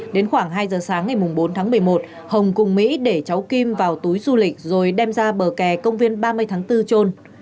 đến khoảng hai giờ sáng ngày bốn tháng một mươi một hồng cùng mỹ để cháu kim vào túi du lịch rồi đem ra bờ kè công viên ba mươi tháng bốn trôn